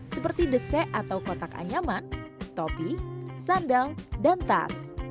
seperti dese atau kotak anyaman topi sandal dan tas